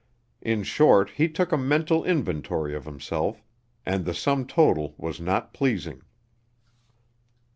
In short, he took a mental inventory of himself, and the sum total was not pleasing.